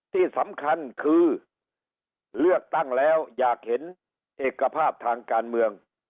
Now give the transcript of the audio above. ที่สำคัญคือเลือกตั้งแล้วอยากเห็นเอกภาพทางการเมือง